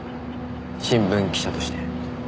新聞記者として。